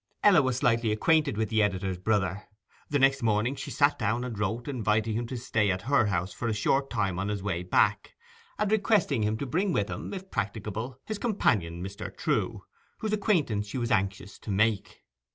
Ella was slightly acquainted with the editor's brother. The next morning down she sat and wrote, inviting him to stay at her house for a short time on his way back, and requesting him to bring with him, if practicable, his companion Mr. Trewe, whose acquaintance she was anxious to make.